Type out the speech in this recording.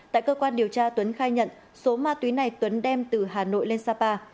tại cơ quan điều tra tuấn khai nhận số ma túy này tuấn đem từ hà nội lên sapa